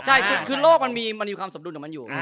ใช่คือการโลกมันมีความสมบูรณ์อยู่